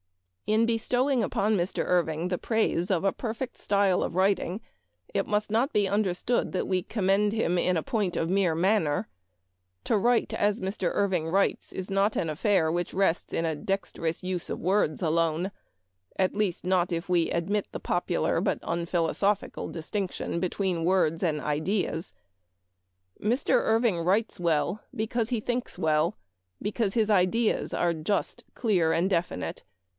..." In bestowing upon Mr. Irving the praise of a perfect style of writing it must not be under stood that we commend him in a point of mere manner. To write as Mr. Irving writes is not 19 290 Memoir of Washington Irving. an affair which rests in a dexterous use of words alone ; at least not if we admit the popu lar but unphilosophical distinction between words and ideas. Mr. Irving writes well be cause he thinks well ; because his ideas are just, clear, and definite.